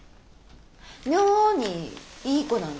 妙にいい子なの。